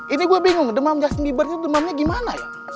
ini gue bingung demam justin bieber itu demamnya gimana